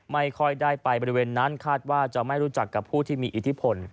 ไม่ค่อยได้ไปบริเวณนั้นคาดว่าจะไม่รู้จักกับผู้ที่มีอิทธิพล